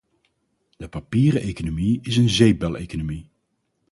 De papieren economie is een zeepbeleconomie.